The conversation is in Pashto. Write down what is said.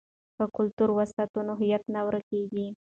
که کلتور وساتو نو هویت نه ورکيږي.